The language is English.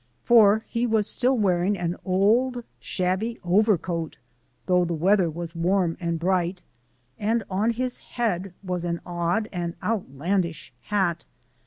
For he was still wearing an old shabby overcoat though the weather was warm and bright and on his head was an odd and outlandish hat.